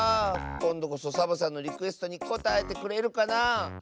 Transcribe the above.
こんどこそサボさんのリクエストにこたえてくれるかなあ。